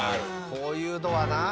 こういうドアな。